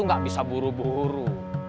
gak bisa buru buru